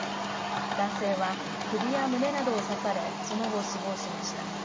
男性は首や胸などを刺されその後、死亡しました。